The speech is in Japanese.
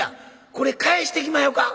「これ返してきまひょか？」。